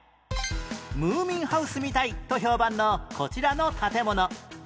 ムーミンハウスみたいと評判のこちらの建物